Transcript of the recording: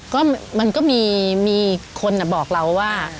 ก็มันก็มีคนบอกเราว่า